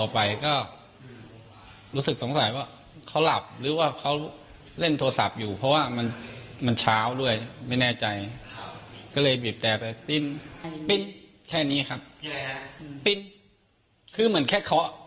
คือเหมือนแค่เคาะ